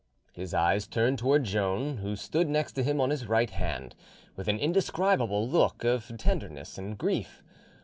His eyes turned toward Joan, who stood next him on his right hand, with an indescribable look of tenderness and grief.